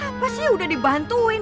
apa sih udah dibantuin